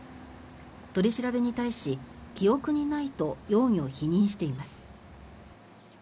取り調べに対し記憶にないと容疑を否認しています。